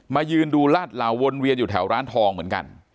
ยืนดูลาดเหลาวนเวียนอยู่แถวร้านทองเหมือนกัน